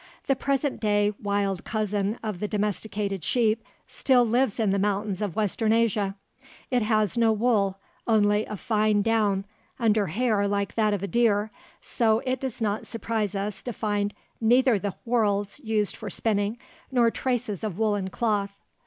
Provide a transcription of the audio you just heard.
The present day wild cousin of the domesticated sheep still lives in the mountains of western Asia. It has no wool, only a fine down under hair like that of a deer, so it need not surprise us to find neither the whorls used for spinning nor traces of woolen cloth.